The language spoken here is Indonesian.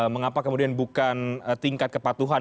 mengapa kemudian bukan tingkat kepatuhan